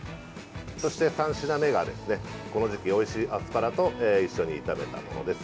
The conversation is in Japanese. そして、３品目がこの時期おいしいアスパラと一緒に炒めたものです。